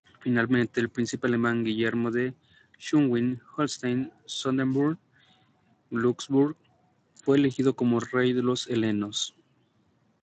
Finalmente el príncipe alemán Guillermo de Schleswig-Holstein-Sonderburg-Glücksburg fue elegido como rey de los helenos.